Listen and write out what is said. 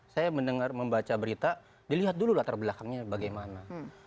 saya mendengar membaca berita dilihat dulu latar belakangnya bagaimana